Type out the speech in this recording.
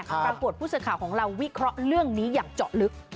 ปรากฏผู้สื่อข่าวของเราวิเคราะห์เรื่องนี้อย่างเจาะลึก